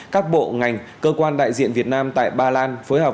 các bộ ngành cơ quan đại diện việt nam tại ba lan phối hợp